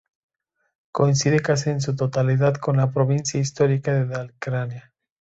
Coincide casi en su totalidad con la provincia histórica de Dalecarlia.